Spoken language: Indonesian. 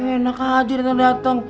enak aja dateng dateng